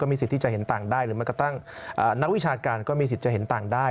มีสิทธิ์ที่จะเห็นต่างได้หรือแม้กระทั่งนักวิชาการก็มีสิทธิ์จะเห็นต่างได้